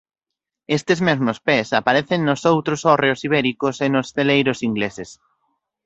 Estes mesmos pés aparecen nos outros hórreos ibéricos e nos celeiros ingleses.